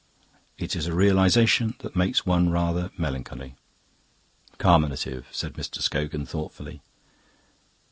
It is a realisation that makes one rather melancholy." "Carminative," said Mr. Scogan thoughtfully.